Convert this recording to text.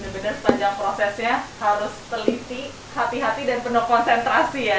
benar sepanjang prosesnya harus teliti hati hati dan penuh konsentrasi ya